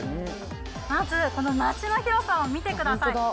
まず、このマチの広さを見てください。